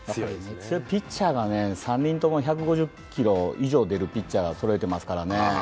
ピッチャーが３人とも１５０キロ以上出るピッチャーをそろえてますからね。